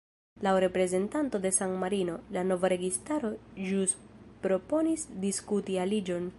Laŭ reprezentanto de San-Marino, la nova registaro ĵus proponis diskuti aliĝon.